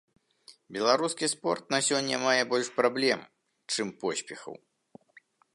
Беларускі спорт на сёння мае больш праблем, чым поспехаў.